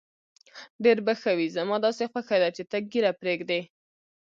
ډېر به ښه وي، زما داسې خوښه ده چې ته ږیره پرېږدې.